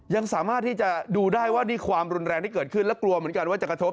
ยังสามารถที่จะดูได้ว่านี่ความรุนแรงที่เกิดขึ้นและกลัวเหมือนกันว่าจะกระทบ